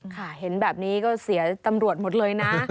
ค่ะเห็นแบบนี้ก็เสียตำรวจหมดเลยนะ